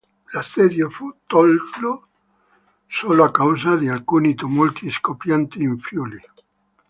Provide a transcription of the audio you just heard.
L'assedio fu tolto solo a causa di alcuni tumulti scoppiati in Friuli.